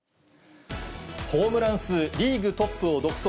ホームラン数リーグトップを独走。